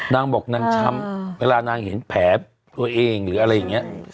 นางบอกนางช้ำเวลานางเห็นแผลตัวเองหรืออะไรอย่างนี้